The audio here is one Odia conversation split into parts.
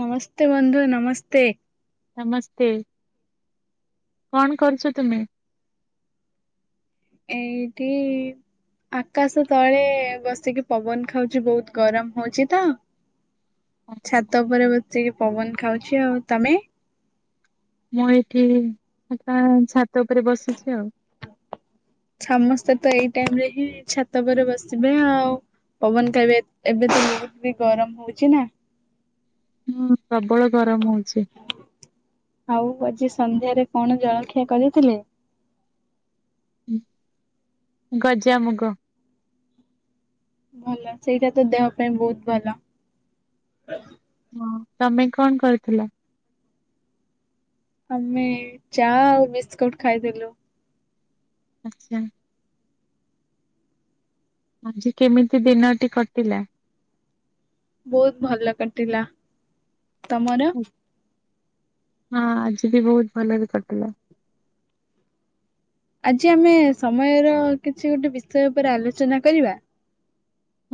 ନମସ୍ତେ ବନ୍ଧୁ ନମସ୍ତେ। ନମସ୍ତେ କଣ କରୁଚ ତୁମେ? ଏଇଠି। ଆକାଶ ତଳେ ବସିକି ପବନ ଖାଉଛି ବହୁତ ଗରମ ହଉଛି ତ ଛାତ ଉପରେ ବସି ପବନ ଖାଉଛି ଆଉ ତମେ? ମୁଁ ଏଠି ଏକା ଛାତ ଉପରେ ବସିଛି ଆଉ। ସମସ୍ତେ ତ ଏଇ ଟାଇମ ରେ ହିଁ ଛାତ ଉପରେ ବସିବେ ଆଉ ପବନ ଖାଇବେ ଏବେ ତ ବହୁତ ବି ଗରମ ହଉଛି ନା। ହୁଁ ପ୍ରବଳ ଗରମ ହଉଛି। ଆଉ ଆଜି ସନ୍ଧ୍ୟାରେ କଣ ଜଳଖିଆ କରିଥିଲେ ଗଜାମୁଗ। ଭଲ ସେଇଟା ତ ଦେହ ପାଇଁ ବହୁତ ଭଲ। ହଁ ତମେ କଣ କରୁଥିଲ? ଆମେ ଚା ଆଉ ବିସ୍କୁଟ ଖାଇଦେଲୁ। ଆଚ୍ଛା। ଆଜି କେମିତି ଦିନଟି କଟିଲା। ବହୁତ ଭଲ କଟିଲା ତମର? ହଁ ଆଜି ବି ବହୁତ ଭଲରେ କଟିଲା। ଆଜି ଆମେ ସମୟର କିଛି ଗୋଟେ ବିଷୟ ଉପରେ ଆଲୋଚନା କରିବା।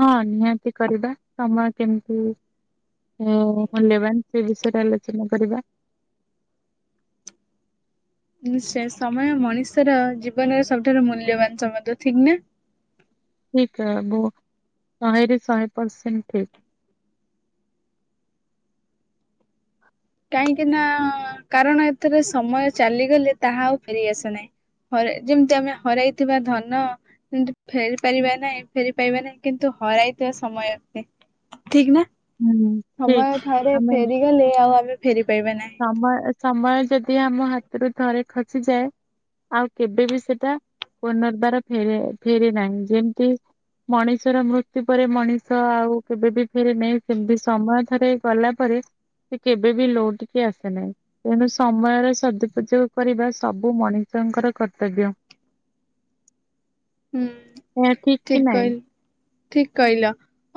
ହଁ ନିହାତି କରିବା ସମୟ କେମିତି ହୁଁ ମୁଁ ନେବାନ ସେ ବିଷୟରେ ଆଲୋଚନା କରିବା। କିନ୍ତୁସେ ସମୟ ମଣିଷର ଜୀବନର ସବୁଠାରୁ ମୂଲ୍ୟବାନ ସମୟ ଠିକ ନା। ଠିକ ତ ବୁ ଶହେରୁ ଶହେ ପସେଣ୍ଟ୍ ଠିକ୍। କାହିଁକି ନା କାରଣ ଏଥିରେ ସମୟ ଚାଲିଗଲେ ତାହା ଆଉ ଫେରିଆସେ ନାହିଁ। ହରେ ଯେମିତି ଆମେ ହରାଇଥିବା ଧନ। କିନ୍ତୁ ଫେରି ପାରିବା ନାହିଁ ଫେରି ପାଇବା ନାହିଁ କିନ୍ତୁ ହରାଇଥିବା ସମୟ ନୁହେଁ। ଠିକ ନା ହୁଁ ଠିକ ସମୟ ଥରେ ଆମେ ଫେରିଗଲେ ଆଉ ଆମେ ଫେରି ପାଇବା ନାହିଁ। ସମୟ ସମୟ ଯଦି ଆମ ହାତରୁ ଥରେ ଖସିଯାଏ। ଆଉ କେବେ ବି ସେଟା ପୁନର୍ବାର ଫେରେ ଫେରେ ନାହିଁ ଯେମିତି ମଣିଷର ମୃତ୍ୟୁ ପରେ ମଣିଷ ଆଉ କେବେ ବି ଫେରେନାହି ସେମିତି ସମୟ ଥରେ ଗଲା ପରେ ସେ କେବେ ବି ଲୋଉଟି କି ଆସେ ନାହିଁ। ତେଣୁ ସମୟର ସଦଉପଯୋଗ କରିବା ସବୁ ମଣିଷଙ୍କର କର୍ତ୍ତବ୍ୟ ହୁଁ ଏହା କି ଠିକ ନାଇଁ? କହିଲ ଠିକ କହିଲ।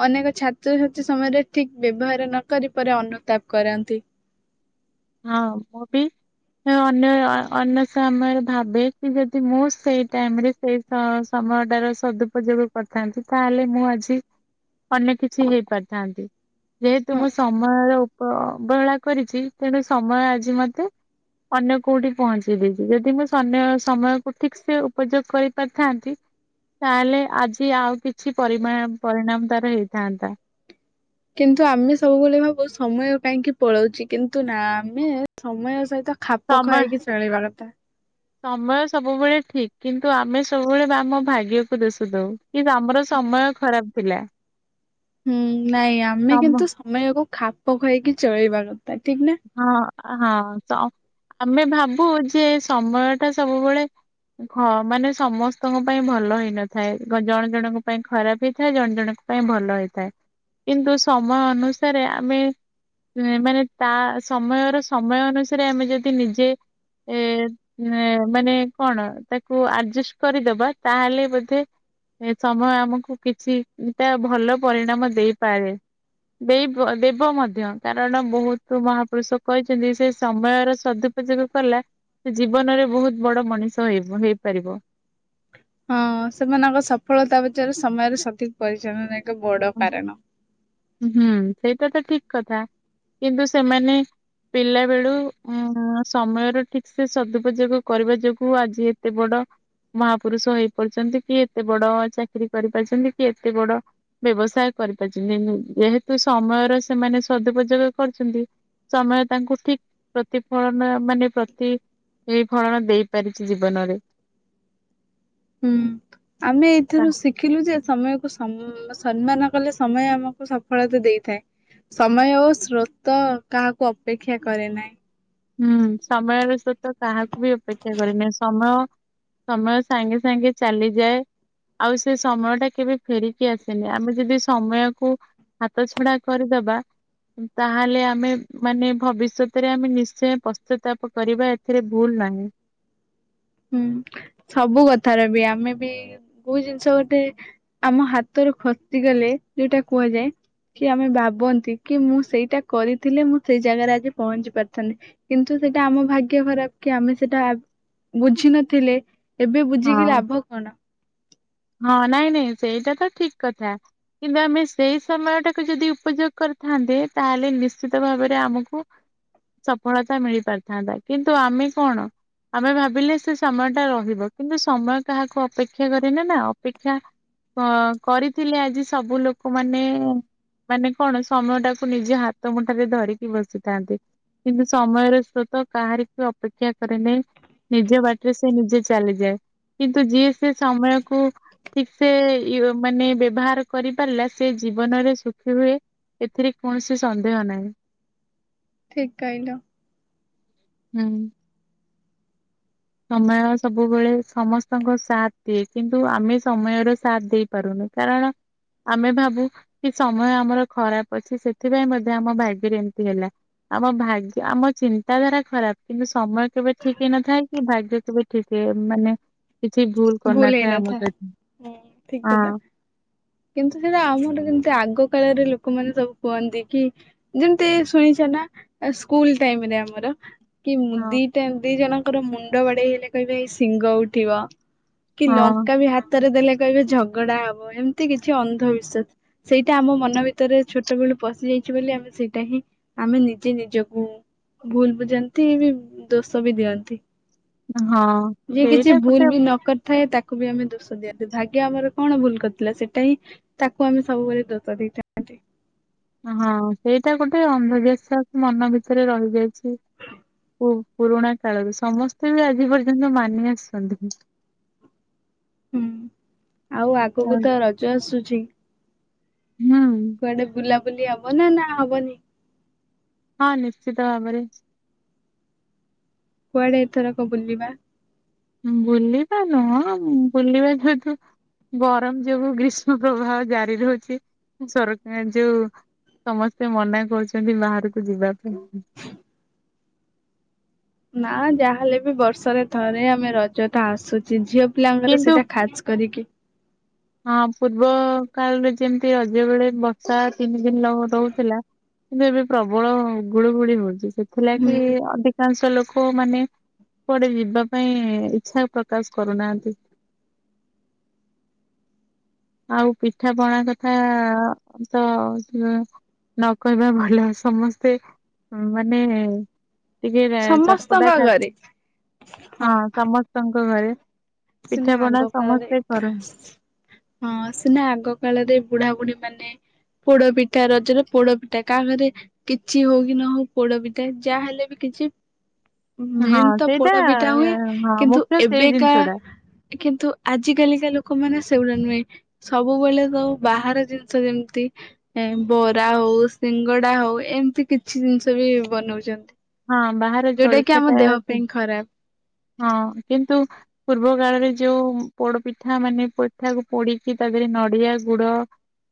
ଅନେକ ଛାତ୍ରଛାତ୍ରୀ ସମୟରେ ଠିକ୍ ବ୍ୟବହାର ନ କରି ପରେ ଅନୁତାପ୍ କରାନ୍ତି। ହଁ ମୁଁ ବି ହେଁ ଅନ୍ୟୟ ଅନ୍ୟ ସମୟରେ ଭାବେ କି ଯଦି ମୁଁ ସେଇ ଟାଇମ୍ ରେ ତେଇସ୍ ହଁ ସମୟଟାର ସଦଉପଯୋଗ କରିଥାନ୍ତି ତା ହେଲେ ମୁଁ ଆଜି ଅନେକ୍ କିଛି ହେଇପାରିଥାନ୍ତି। ଯେହେତୁ ହଁ ମୁଁ ସମୟର ଉପ ଅବହେଳା କରିଛି। ତେଣୁ ସମୟ ଆଜି ମତେ ଅନ୍ୟ କୋଉଠି ପହଁଚେଇ ଦେଇଛି ଯଦି ମୁଁ ସନ୍ୟ ସମୟକୁ ଠିକ୍ ସେ ଉପଯୋଗ୍ କରି ପାରିଥାନ୍ତି। ତାହେଲେ ଆଜି ଆଉ କିଛି ପରିମାମ୍ ପରିଣାମ୍ ତାରେ ହେଇଥାନ୍ତା। କିନ୍ତୁ ଆମେ ସବୁବେଳେ ଭାବୁ ସମୟ କାହିଁକି ପଳଉଛି କିନ୍ତୁ ନା ଆମେ ସମୟ ସହିତ ଖାପ ସମୟ ଖାଇକି ଚଳେଇବା କଥା। ସମୟ ସବୁବେଳେ ଠିକ୍ କିନ୍ତୁ ଆମେ ସବୁବେଳେ ବାମ ଭାଗ୍ୟକୁ ଦୋଷ ଦଉ କି ବା ଆମର ସମୟ ଖରାପ୍ ପିଲା। ହୁଁ ନାଇଁ ଆମେ ସମ କିନ୍ତୁ ସମୟକୁ ଖାପ ଖୋଆଇକି ଚଳେଇବା କଥା। ଠିକ୍ ନା? ହଁ ଆ ଆ ହଁ ତ ଆମେ ଭାବୁ ଯେ ସମୟ ଟା ସବୁବେଳେ ଉଁଖ ମାନେ ସମସ୍ତଙ୍କ ପାଇଁ ଭଲ ହେଇନଥାଏ ଗ ଜଣେ ଜଣଙ୍କ ପାଇଁ ଖରାପେ ହେଇଥାଏ। ଜଣେ ଜଣକୁ ପାଇଁ ଭଲ ହେଇଥାଏ କିନ୍ତୁ ସମୟ ଅନୁସାରେ ଆମେ ଏଁ ମାନେ ତା ସମୟର ସମୟ ଅନୁସାରେ ଆମେ ଯଦି ନିଜେ ଏ ନେଁଏ ମାନେ କଣ ତାକୁ ଆଜେଷ୍ କରିଦବା ତାହେଲେ ବୋଧେ ଏ ସମୟ ଆମକୁ କିଛି ଉଁ ଟା ଭଲ ପରିଣାମ ଦେଇପାରେ। ଦେଇ ବ ଆର ଦେବ ମଧ୍ୟ କାରଣ ବହୁତ୍ କୋଉ ମହାପୁରୁଷ କହିଛନ୍ତି। ସେ ସମୟର ସଦୁପଯୋଗ କଲା। ସେ ଜୀବନରେ ବହୁତ୍ ବଡ଼ ମଣିଷ ଏବ ହେଇପାରିବ। ହଁ ସେମାନଙ୍କ ସଫଳତା ବିଚରେ ସମୟରେ ସଠିକ୍ ପରିଚାଳନା ଏକ ବଡ଼ କାରଣ। ଉଁ ହୁଁ ସେଇଟା ତ ଠିକ୍ କଥା କିନ୍ତୁ ସେମାନେ ପିଲା ବେଳୁ ଉଁ ଆଁ ସମୟର ଠିକ୍ ସେ ସଦୁପଯୋଗ କରିବା ଯୋଗୁ ଆଜି ଏତେ ବଡ଼ ମହାପୁରୁଷ ହେଇପରିଛନ୍ତି କି ଏତେ ବଡ଼ ଚାକିରୀ କରିପାରୁଛନ୍ତି କି ଏତେ ବଡ଼ ବ୍ୟବସାୟ କରିପାରିଛନ୍ତି ନେନୁ ଯେହେତୁ ସମୟର ସେମାନେ ସଦୁପଯୋଗ କରୁଛନ୍ତି। ସମୟ ତାଙ୍କୁ ଠିକ୍ ପ୍ରତିଫଳନ ମାନେ ପ୍ରତି ଏଇ ଫଳନ ଦେଇପାରିଛି ଜୀବନରେ। ହୁଁ ଆମେ ତା- ଏଇଥିରୁ ଶିଖିଲୁ ଯେ ସମୟକୁ ସମ୍ଉଁ ସମ୍ମାନ କଲେ ସମୟ ଆମକୁ ସଫଳତା ଦେଇଥାଏ। ସମୟ ଓ ସ୍ରୋତ କାହାକୁ ଅପେକ୍ଷା କରେ ନାହିଁ। ହୁଁ ସମୟର ସ୍ରୋତ କାହାକୁ ବି ଅପେକ୍ଷା କରେନା ସମୟ ସମୟ ସାଙ୍ଗେ ସାଙ୍ଗେ ଚାଲିଯାଏ। ଆଉ ସେ ସମୟ ଟା କେବେ ଫେରିକି ଆସେନି ଆମେ ଯଦି ସମୟକୁ ହାତ ଛଡ଼ା କରିଦବା ଉ ତାହେଲେ ଆମେ ମାନେ ଭବିଷୋତରେ ଆମେ ନିଶ୍ ସେ ପଶ୍ଚାତାପ୍ କରିବା ଏଥିରେ ଭୁଲ୍ ନାହିଁ। ହୁଁ ସବୁ କଥାରେ ବି ଆମେ ବି କୋଉ ଜିନିଷ ଗୋଟେ ଆମ ହାତରୁ ଖସିଗଲେ ଯୋଉଟା କୁହାଯାଏ। କି ଆମେ ବାବନ୍ତି କି ମୁଁ ସେଇଟା କରିଥିଲେ ମୁଁ ସେଇ ଜାଗାରେ ଆଜି ପହଞ୍ଚି ପାରିଥାନି। କିନ୍ତୁ ସେଇଟା ଆମ ଭାଗ୍ୟ ଖରାପ କି ଆମେ ସେଇଟା ଆବ୍ ବୁଝି ନଥିଲେ ଏବେ ବୁଝିକି ହଁ। ଲାଭ କଣ। ହଁ ନାଇଁ ନାଇଁ ସେଇଟା ତ ଠିକ୍ କଥା। କିନ୍ତୁ ଆମେ ସେଇ ସମୟ ଟାକୁ ଯଦି ଉପଯୋଗ କରିଥାନ୍ତେ ତାହେଲେ ନିଶ୍ଚିତ ଭାବରେ ଆମକୁ ସଫଳତା ମିଳି ପାରିଥାନ୍ତା କିନ୍ତୁ ଆମେ କଣ? ଆମେ ଭାବିଲେ ସେ ସମୟ ଟା ରହିବ କିନ୍ତୁ ସମୟ କାହାକୁ ଅପେକ୍ଷା କରେନିନା ଅପେକ୍ଷା ଅ କରିଥିଲେ ଆଜି ସବୁ ଲୋକ ମାନେ ମାନେ କଣ ସମୟ ଟାକୁ ନିଜ ହାତ ମୁଠାାରେ ଧରିକି ବସିଥାନ୍ତେ। କିନ୍ତୁ ସମୟର ସ୍ରୋତ କାହାରି କୁ ଅପେକ୍ଷା କରେନି ନିଜ ବାଟରେ ସେ ନିଜେ ଚାଲିଯାଏ କିନ୍ତୁ ଯିଏ ସେ ସମୟ କୁ ଠିକ ସେ ଇଏ ମାନେ ବ୍ୟବହାର କରିପାରିଲା ସେ ଜୀବନରେ ସୁଖୀ ହୁଏ। ଏଥିରେ କୌଣସି ସନ୍ଦେହ ନାହିଁ। ଠିକ କହିଲ। ହୁଁ। ସମୟ ସବୁବେଳେ ସମସ୍ତଙ୍କ ସାଥ ଦିଏ କିନ୍ତୁ ଆମେ ସମୟର ସାଥ ଦେଇ ପାରୁନୁ କାରଣ? ଆମେ ଭାବୁ କି ସମୟ ଆମର ଖରାପ ଅଛି ସେଥିପାଇଁ ବୋଧେ ଆମ ଭାଗ୍ୟରେ ଏମିତି ହେଲା ଆମ ଭାଗ୍ୟ ଆମ ଚିନ୍ତାଧାରା ଖରାପ କିନ୍ତୁ ସମୟ କେବେ ଠିକ ହେଇନଥାଏ କି ଭାଗ୍ୟ କେବେ ଠିକ ଏନ୍ ମାନେ କିଛି ଭୁଲ କରିନଥାଏ ଆମ ହେଇନଥାଏ ଏଠି ହୁଁ ଠିକ କଥା ହଁ। କିନ୍ତୁ ସେଇଟା ଆମର ଯେମିତି ଆଗ କାଳରେ ଲୋକମାନେ ସବୁ କୁହନ୍ତି କି ଯେମିତି ଶୁଣିଛ ନା ସ୍କୁଲ ଟାଇମରେ ଆମର କି ମୁ ହଁ ଦିଟା ଦି ଜଣଙ୍କର ମୁଣ୍ଡ ବାଡେଇ ହେଲେ କହିବେ ଏଇ ଶିଙ୍ଗ ଉଠିବ କି ହଁ ଲଙ୍କା ବି ହାତରେ ଦେଲେ କହିବେ ଝଗଡା ହବ ଏମିତି କିଛି ଅନ୍ଧବିଶ୍ଵାସ। ସେଇଟା ଆମ ମନ ଭିତରେ ଛୋ ଛୋଟବେଳୁ ପଶିଯାଇଛି ବୋଲି ଆମେ ସେଇଟା ହିଁ ଆମେ ନିଜେ ନିଜକୁ ଭୁଲ ବୁଝାନ୍ତି ବି ଦୋଷ ବି ଦିଅନ୍ତି। ହଁ ମୁ କିଛି ସେଇଟା ଗୋଟେ ଭୁଲ ବି ନକ ଥାଏ ତାକୁ ବି ଆମେ ଦୋଷ ଦିଅନ୍ତିୁ ଭାଗ୍ୟ ଆମର କଣ ଭୁଲ କରିଥିଲା ସେଇଟା ହିଁ ତାକୁ ଆମେ ସବୁବେଳେ ଧୋକା ଦେଇଥାଉ ହଁ ସେଇଟା ଗୋଟେ ଅନ୍ଧବିଶ୍ୱାସ ମନ ଭିତରେ ରହିଯାଇଛି। ପୁରୁଣା କାଳରେ ସମସ୍ତେ ବି ଆଜି ପର୍ଯ୍ୟନ୍ତ ମାନି ଆସୁଛନ୍ତି ହୁଁ ଆଉ ହୁଁ ଆଗକୁ ତ ରଜ ଆସୁଛି ହୁଁ। କୁଆଡେ ବୁଲାବୁଲି ହବ ନା ନା ହବନି? ହଁ ନିଶ୍ଚିତ ଭାବରେ। କୁଆଡେ ଏଥର କ ବୁଲିବା? ବୁଲିବା ନୁହଁ ବୁଲିବା ଯେହେତୁ ଗରମ ଯୋଗୁ ଗ୍ରୀଷ୍ମ ପ୍ରବାହ ଜାରି ରହୁଛି ସରକାର ଯୋଉ ସମସ୍ତେ ମନା କରୁଛନ୍ତି ବାହାରକୁ ଯିବା ପାଇଁ ନା ଯାହାହେଲେ ବି ବର୍ଷରେ ଥରେ ଆମେ ରଜ ଟା ଆସୁଛି ଝିଅ ପିଲାଙ୍କର କିନ୍ତୁ ସେଇଟା ଖାସ୍ କରିକି ହଁ ପୂର୍ବ କାଳରେ ଯେମିତି ରଜ ବେଳେ ବର୍ଷା ତିନି ଦିନ ରହୁଥିଲା କିନ୍ତୁ ଏବେ ପ୍ରବଳ ଗୁଳୁଗୁଳି ହଉଛି ହୁଁ ସେଥିଲାଗି ଅଧିକ କାଂଶ ଲୋକ ମାନେ କୁଆଡେ ଯିବା ପାଇଁ ଇଚ୍ଛା ପ୍ରକାଶ କରୁନାହାନ୍ତି। ଆଉ ପିଠା ପଣା କଥା ତ ନ କହିବା ହିଁ ଭଲ ସମସ୍ତେ ମାନେ ଟିକେ ରା ଚଟପଟା ସମସ୍ତଙ୍କ ଖା ଘରେ ହଁ ସମସ୍ତଙ୍କ ଘରେ ସିନା ପିଠା ପଣା ଆଗ କାଳରେ ସମସ୍ତେ କରନ୍ତି। ହଁ ସିନା ଆଗ କାଳରେ ବୁଢା ବୁଢୀ ମାନେ ପୋଡ ପିଠା ରଜରେ, ପୋଡ ପିଠା କାହା ଘରେ କିଛି ହଉ କି ନ ହଉ ପୋଡ ପିଠା ଯାହା ହେଲେ ବି କିଛି ହଁ ମେନ୍ ତ ସେଇଟା ପୋଡପିଠା ହୁଏ ହଁ କିନ୍ତୁ ମୁଖ୍ୟ ସେଇ ଏବେକା ଜିନିଷ ଟା କିନ୍ତୁ ଆଜି କାଲିକା ଲୋକମାନେ ସେଗୁଡା ନୁହେଁ। ସବୁବେଳେ ତ ବାହାର ଜିନିଷ ଯେମିତି ଏ ବରା ହଉ ସିଙ୍ଗଡା ହଉ ଏମିତି କିଛି ଜିନିଷ ବି ବନଉଛନ୍ତି। ହଁ ବାହାରେ ଯୋଉଟା କି ଜଳଖିଆ ଆମ ଦେହ ଟା ପାଇଁ ଖରାପ। ହଁ କିନ୍ତୁ ପୂର୍ବ କାଳରେ ଯୋଉ ପୋଡପିଠା ମାନେ ପିଠାକୁ ପୋଡିକି ତା ଦେହରେ ନଡିଆ ଗୁଡ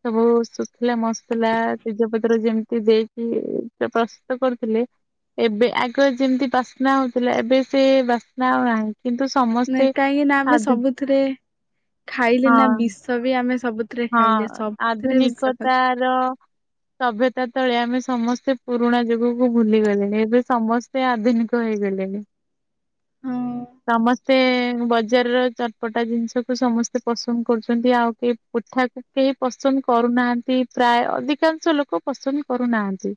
ସବୁ ଶୁଖିଲା ମସଲା, ତେଜପତି ସେଥିରେ ଯେମିତି ଦେଇକି ପ୍ରସ୍ତୁତ କରୁଥିଲେ। ଏବେ ଆଗରୁ ଯେମିତି ବାସ୍ନା ହଉଥିଲା ଏବେ ସେ ବାସ୍ନା ଆଉ ନାହିଁ। କିନ୍ତୁ ସମସ୍ତେ [unintelligible] ସେଥିରେ ଖାଇଲେ ନା ହଁ ବିଷ ବି ଆମେ ସବୁ ହଁ ଆଧୁନିକତାର ସଭ୍ୟତା ତଳେ ଆମେ ସମସ୍ତେ ପୁରୁଣାଯୁଗକୁ ଭୁଲିଗଲେଣି ଏବେ ସମସ୍ତେ ଆଧୁନିକ ହେଇଗଲେଣି। ହୁଁ ସମସ୍ତେ ବଜାରରେ ଚଟପଟା ଜିନିଷକୁୁ ସମସ୍ତେ ପସନ୍ଦ କରୁଛନ୍ତି ଆଉ କିଏ ପିଠାକୁ କେହି ପସନ୍ଦ କରୁନାହାନ୍ତି ପ୍ରାୟ ଅଧିକାଂଶ ଲୋକ ପସନ୍ଦ କରୁନାହାନ୍ତି।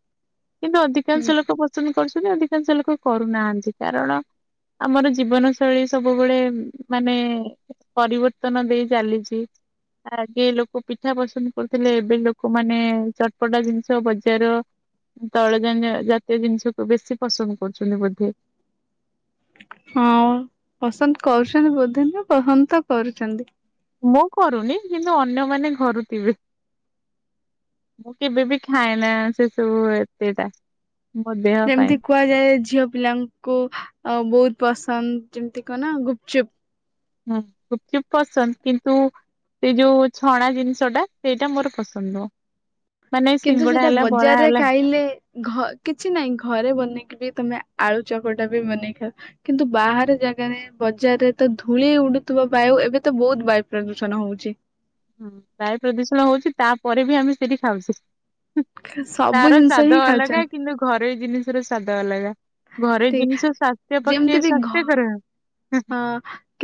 କିନ୍ତୁ ଅଧିକାଂଶ ଲୋକ ପସନ୍ଦ କରୁଛନ୍ତି ଅଧିକାଂଶ ଲୋକ କରୁନାହାନ୍ତି କାରଣ ଆମର ଜୀବନ ଶୈଳୀ ସବୁବେଳେ ମାନେ ପରିବର୍ତ୍ତନ ଦେଇ ଚାଲିଛି। ଆଗେ ଲୋକ ପିଠା ପସନ୍ଦ କରୁଥିଲେ ଏବେ ଲୋକ ମାନେ ଚଟପଟା ଜିନିଷ ବଜାର ତୈଳ ଜନିଅ ଜାତୀୟ ଜିନିଷକୁୁ ବେଶୀ ପସନ୍ଦ କରୁଛନ୍ତି ବୋଧେ। ହଁ ପସନ୍ଦ କରୁଛନ୍ତି ବୋଧେ ନୁହଁ, ପସନ୍ଦ ତ କରୁଛନ୍ତି। ମୁଁ କରୁନି କିନ୍ତୁ ଅନ୍ୟମାନେ କରୁଥିବେ। ମୁଁ କେବେ ବି ଖାଏନା ସେ ସବୁ ଏତେଟା ମୋ ଦେହ ଯେମିତି ପାଇଁ। କୁହାଯାଏ ଝିଅ ପିଲାଙ୍କୁ ବହୁତ ପସନ୍ଦ ଯେମିତି କହନା ଗୁପଚୁପ୍। ହୁଁ ଗୁପ୍ ଚୁପ୍ ପସନ୍ଦ କିନ୍ତୁ ସେ ଯଉଁ ଛଣା ଜିନିଷଟା ସେଇଟା ମୋର ପସନ୍ଦ ନୁହଁ। ମାନେ କିନ୍ତୁ ସିଙ୍ଗଡା ସେଇଟା ହେଲା ବରା ବଜାରରେ ହେଲା ଖାଇଲେ ଘରେ କିଛି ନାଇଁ ଘରେ ବନେଇକି ବି ତମେ ଆଳୁ ଚକଟା ବି ବନେଇ କିନ୍ତୁ ବାହାର ଜାଗାରେ ବଜାରରେ ତ ଧୂଳି ଉଡୁଥିବା ବାୟୁ ଏବେ ତ ବହୁତ ବାୟୁ ପ୍ରଦୂଷଣ ହଉଛି। ହୁଁ, ବାୟୁ ପ୍ରଦୂଷଣ ହଉଛି ତାପରେ ବି ଆମେ ସେଠି ଖାଉଛେ। ହୁଁ, ସବୁ ତାର ଜିନିଷ ସ୍ଵାଦ ହିଁ ଅଲଗା ଖାଉଛନ୍ତି କିନ୍ତୁ ଘରୋଇ ଜିନିଷ ସ୍ୱାଦ ଅଲଗା, ଘରେ ଠିକ, ଜିନିଷ ସ୍ୱାସ୍ଥ୍ୟ ପକ୍ଷେ ଯେମିତି ବି ଘ ସ୍ୱାସ୍ଥ୍ୟ କର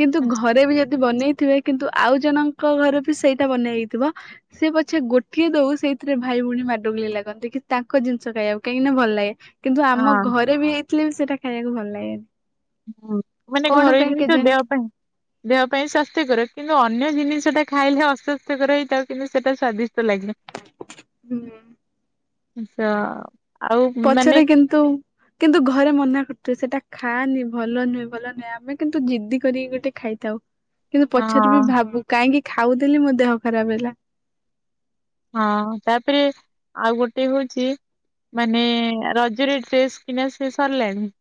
କିନ୍ତୁ ଘରେ ବି ଯଦି ବନେଇଥିବେ କିନ୍ତୁ ଆଉ ଜଣଙ୍କ ଘରେ ବି ସେଇଟା ବନିଆହେଇଥିବ ସେ ପଛେ ଗୋଟିଏ ଦଉ ସେଇଥିରେ ଭାଇ ଭଉଣୀ ମାଡ ଗୋଲି ଲାଗନ୍ତି କି ତାଙ୍କ ଜିନିଷ ଖାଇବାକୁ କାହିଁକିନା ଭଲ ଲାଗେ। କିନ୍ତୁ ଆମ ହଁ ଘରେ ବି ହେଇଥିଲେ ବି ସେଇଟା ଖାଇବାକୁ ଭଲ ଲାଗେନି। ହୁଁ ମାନେ କଣ ଘରେ ପାଇଁ ଜିନିଷ କେଜାଣି? ଦେହ ପାଇଁ ଦେହ ପାଇଁ ସ୍ଵାସ୍ଥ୍ୟକର କିନ୍ତୁ ଅନ୍ୟ ଜିନିଷଟା ଖାଇଲେ ଅସ୍ୱାସ୍ଥ୍ୟକର ହେଇଥାଉ କିନ୍ତୁ ସେଟା ସ୍ଵାଦିଷ୍ଟ ସ୍ୱାଦିଷ୍ଟ ଲାଗେ। ହୁଁ [unintelligible] ମାନେ ପଛରେ କିନ୍ତୁ। କିନ୍ତୁ ଘରେ ମନା କରୁଥବେ ସେଟା ଖାନି ଭଲ ନୁହେଁ ଭଲ ନୁହେଁ ଆମେ କିନ୍ତୁ ଜିଦ୍ଦି କରିକି ଗୋଟେ ଖାଇଥାଉ କିନ୍ତୁ ପଛରେ ବି ହଁ ଭାବୁ କାହିଁକି ଖାଉଥିଲି ମୋ ଦେହ ଖରାପ ହେଲା ହଁ ତାପରେ ଆଉ ଗୋଟେ ହୋଉଚି - ମାନେ ରଜରେ ଡ୍ରେସ୍ କିଣା ସି ସରିଲାଣି?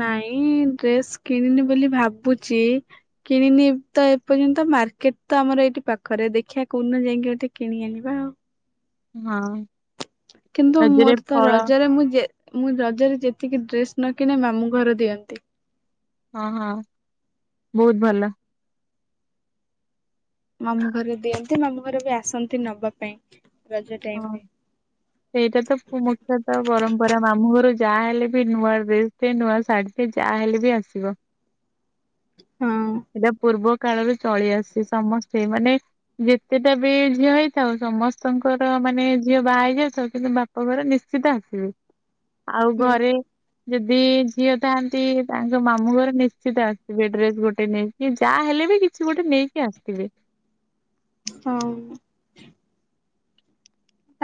ନାଇଁ ଡ୍ରେସ୍ କିଣିନି ବୋଲି ଭାବୁଚି - କିଣିନି ତ ଏପର୍ଯ୍ୟନ୍ତ ମାର୍କେଟ ତ ଆମର ଏଇଠି ପାଖରେ ଦେଖିଆ କୋଉଦିନ ଯାଇକି ଗୋଟେ କିଣି ଆଣିବା ଆଉ ହଁ କିନ୍ତୁ ରଜରେ ମୋର ତ ଫଳ ରଜରେ ମୁଁ ଯେ- ମୁଁ ରଜରେ ଯେତିକି ଡ୍ରେସ ନ କିଣେ ମାମୁ ଘର ଦିଅନ୍ତି ହଁ ହଁ ବହୁତ ଭଲ ମାମୁ ଘରେ ଦିଅନ୍ତି ମାମୁଘର ବି ଆସନ୍ତି ନବା ପାଇଁ ରଜ ହଁ। ଟାଇମରେ ସେଇଟା ତ ମୁଖ୍ୟତ ପରମ୍ପରା ମାମୁ ଘରୁ ଯାହା ହେଲେ ବି ନୂଆ ଡ୍ରେସ ଟେ ନୂଆ ଶାଢୀ- ସେ ଯାହାହଲେ ବି ଆସିବ ହଁ। ସେଟା ପୂର୍ବ- କାଳରୁ ଚଳି ଆସିଚି ସମସ୍ତେ ମାନେ ଯେତେଟା ବି ଝିଅ ହେଇଥାଉ ସମସ୍ତଙ୍କ- ଶାଶୁଘର ମାନେ ଝିଅ ବାହା ହେଇଯାଇଥିବ କିନ୍ତୁ ବାପ ଘର ନିଶ୍ଚିତ ଆସିବେ ଆଉ ହୁଁ। ଘରେ - ଯଦି ଝିଅ ଥାଆନ୍ତି ତାଙ୍କ ମାମୁଁ ଘର ନିଶ୍ଚିତ ଆସିବେ ଡ୍ରେସ ଗୋଟେ ନେଇ କି ଯା ହେଲେ ବି କିଛି ଗୋଟେ ନେଇକି ଆସିଥିବେ ହଁ ଉଁ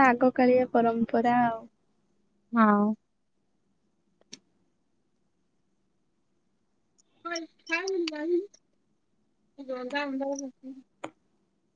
ଆଗ କାଳିଆ ପରମ୍ପରା ଆଉ- ହଁ [unintelligible]